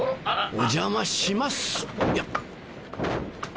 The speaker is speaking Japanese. お邪魔します！